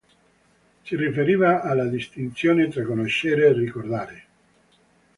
Si riferiva alla distinzione tra "conoscere" e "ricordare".